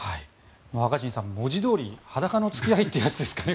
若新さん、文字どおり裸の付き合いってやつですかね。